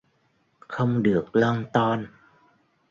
Không được lon ton